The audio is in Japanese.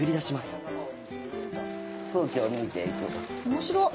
面白っ！